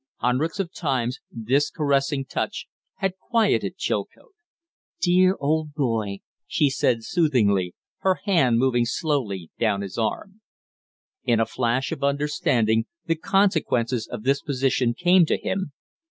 Hundreds of times this caressing touch had quieted Chilcote. "Dear old boy!" she said, soothingly, her hand moving slowly down his arm. In a flash of understanding the consequences of this position came to him.